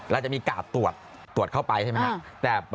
เราจะมีการ์ดตรวจตรวจเข้าไปใช่ไหมครับ